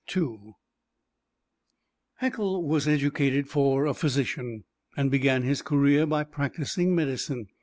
Haeckel was educated for a physician and began his career by practising medicine.